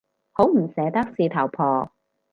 好唔捨得事頭婆